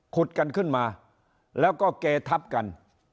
กันขึ้นมาแล้วก็เกทับกัน